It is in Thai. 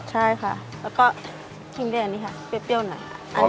ใช่ค่ะแล้วก็ชิ้นเดือนนี้ค่ะเปรี้ยวหน่อยค่ะ